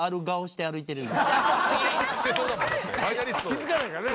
気付かないからね。